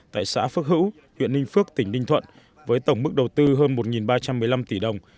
tại xã phước hữu huyện ninh phước tỉnh ninh thuận với tổng mức đầu tư hơn một ba trăm một mươi năm tỷ đồng